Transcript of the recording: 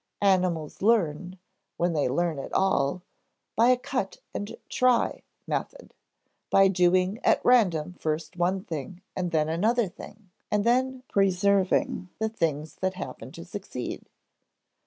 Animals learn (when they learn at all) by a "cut and try" method; by doing at random first one thing and another thing and then preserving the things that happen to succeed.